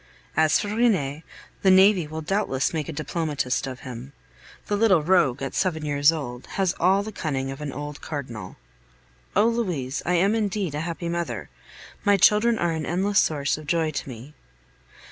As for Rene, the navy will doubtless make a diplomatist of him. The little rogue, at seven years old, has all the cunning of an old Cardinal. Oh! Louise, I am indeed a happy mother. My children are an endless source of joy to me.